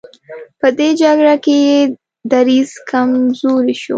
په دې جګړه کې یې دریځ کمزوری شو.